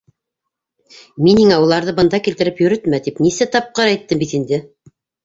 Мин һиңә уларҙы бында килтереп йөрөтмә, тип нисә тапҡыр әйттем бит инде.